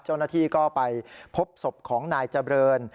เจ้าหน้าที่ก็ไปพบศพของนายเจริญ